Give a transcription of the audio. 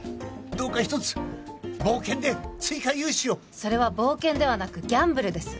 どうか一つ冒険で追加融資をそれは冒険ではなくギャンブルです